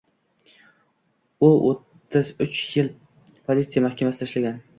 U o'ttiz uch yil politsiya mahkamasida ishlagan.